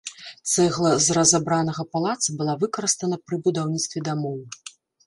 Цэгла з разабранага палаца была выкарыстана пры будаўніцтве дамоў.